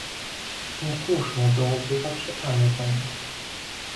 Niesłuszne byłoby zaprzeczanie temu